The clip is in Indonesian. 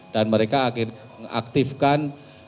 dan mereka mengaktifkan